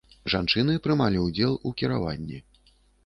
Жанчыны прымалі ўдзел у кіраванні.